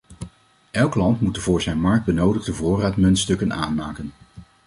Elk land moet de voor zijn markt benodigde voorraad muntstukken aanmaken.